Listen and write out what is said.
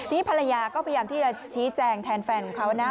นี่ภรรยาก็พยายามที่จะชี้แจงแทนแฟนของเขานะ